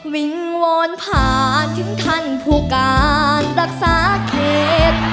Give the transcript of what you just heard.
วิงวอนผ่านถึงท่านผู้การรักษาเขต